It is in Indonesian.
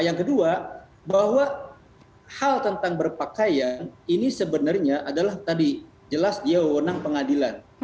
yang kedua bahwa hal tentang berpakaian ini sebenarnya adalah tadi jelas dia wewenang pengadilan